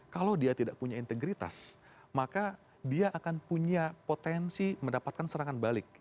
kalau dia tidak punya integritas maka dia akan punya potensi mendapatkan serangan balik